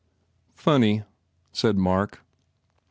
"Funny," said Mark.